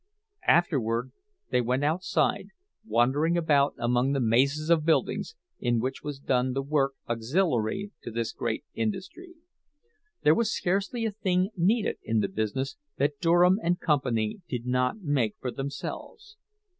Afterward they went outside, wandering about among the mazes of buildings in which was done the work auxiliary to this great industry. There was scarcely a thing needed in the business that Durham and Company did not make for themselves.